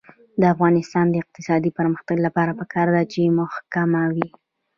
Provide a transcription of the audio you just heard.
د افغانستان د اقتصادي پرمختګ لپاره پکار ده چې محکمه وي.